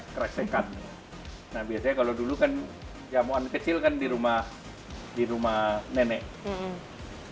biasanya kalau dulu jamuan kecil di rumah nenek